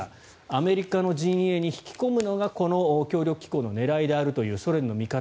アメリカの陣営に引き込むのがこの協力機構の狙いであるというソ連の見方。